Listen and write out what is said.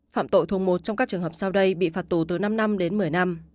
phạm tội thuộc một trong các trường hợp sau đây bị phạt tù từ năm năm đến một mươi năm